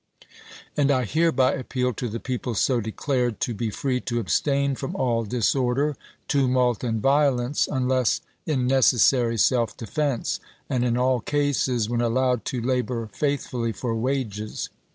And I hereby appeal to the people so declared to be free to abstain from all disorder, tumult, and violence, THE EDICT OF FREEDOM 415 unless iu necessary self defense ; and in all cases, when ciiap. xix. allowed, to labor faithfully for wages.